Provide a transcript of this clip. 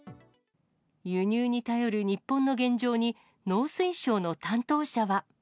輸入に頼る日本の現状に、農水省の担当者は。